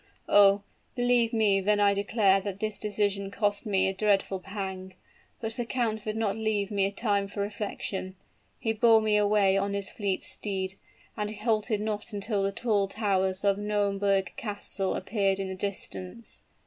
"Oh! believe me when I declare that this decision cost me a dreadful pang; but the count would not leave me time for reflection. He bore me away on his fleet steed, and halted not until the tall towers of Nauemberg Castle appeared in the distance.